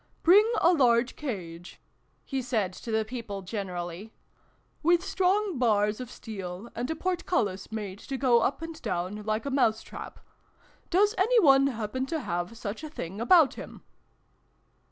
" Bring a large cage," he said to the people generally, " with strong bars of steel, and a portcullis made to go up and down like a mouse trap ! Does any one happen to have such a thing about him